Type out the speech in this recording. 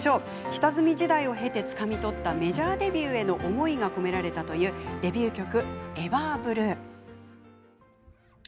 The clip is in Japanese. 下積み時代を経てつかみ取ったメジャーデビューへの思いが込められたというデビュー曲「ＥＶＥＲＢＬＵＥ」。